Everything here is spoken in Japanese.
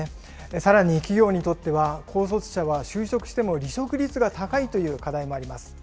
さらに企業にとっては、高卒者は就職しても離職率が高いという課題もあります。